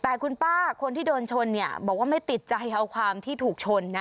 แต่คุณป้าคนที่โดนชนเนี่ยบอกว่าไม่ติดใจเอาความที่ถูกชนนะ